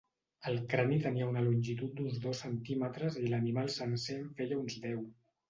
El crani tenia una longitud d'uns dos centímetres i l'animal sencer en feia uns deu.